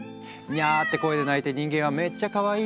にゃって声で泣いて人間は「めっちゃかわいい。